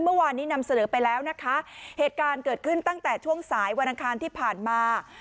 เมื่อวานนี้นำเสนอไปแล้วนะคะเหตุการณ์เกิดขึ้นตั้งแต่ช่วงสายวันอังคารที่ผ่านมา